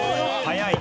早い。